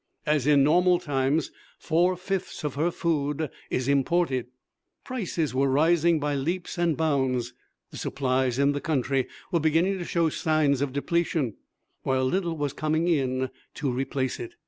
As in normal times four fifths of her food is imported, prices were rising by leaps and bounds. The supplies in the country were beginning to show signs of depletion, while little was coming in to replace it.